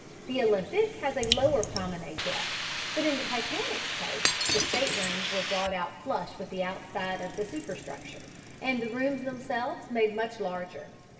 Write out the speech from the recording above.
The Olympic has a lower promenade deck, but in the Titanic's case the staterooms were brought out flush with the outside of the superstructure, and the rooms themselves made much larger.